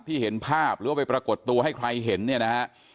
เห็นภาพหรือว่าไปปรากฏตัวให้ใครเห็นเนี่ยนะฮะ